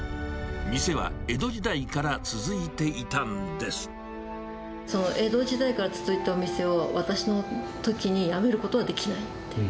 店は江戸時代から続いていたんで江戸時代から続いたお店を、私のときにやめることはできないって。